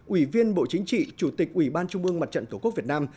ủy viên bộ chính trị chủ tịch ủy ban trung mương mặt trận tổ quốc việt nam